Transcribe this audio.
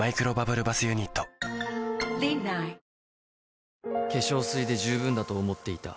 「ＧＯＬＤ」も化粧水で十分だと思っていた